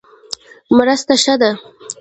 مرسته ښه ده.